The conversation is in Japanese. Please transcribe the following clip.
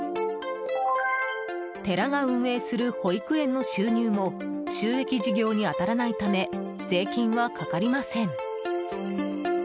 寺が運営する保育園の収入も収益事業に当たらないため税金はかかりません。